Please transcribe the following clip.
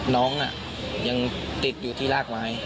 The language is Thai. น้องยังติดอยู่ที่รากไม้